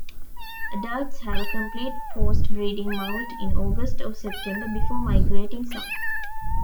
Adults have a complete post-breeding moult in August or September before migrating south.